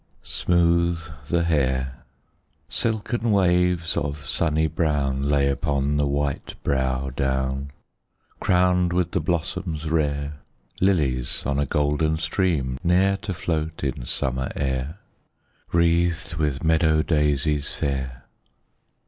Smooth the hair; Silken waves of sunny brown Lay upon the white brow down, Crowned with the blossoms rare; Lilies on a golden stream, Ne'er to float in summer air Wreathed with meadow daisies fair.